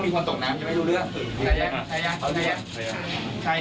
ผมให้ไหม